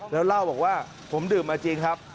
แล้วเล่าบอกว่าผมดื่มมาจริงครับ